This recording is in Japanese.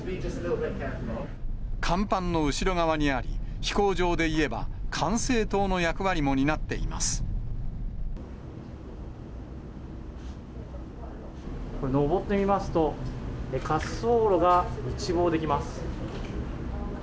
甲板の後ろ側にあり、飛行場でいえば、これ、上ってみますと、滑走路が一望できます。